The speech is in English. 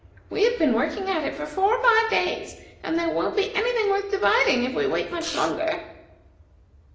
We have been working at it for four or five days, and there won't be any thing worth dividing if we wait much longer."